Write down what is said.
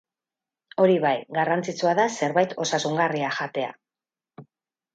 Hori bai, garrantzitsua da zerbait osasungarria jatea.